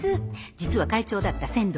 実は会長だった千堂。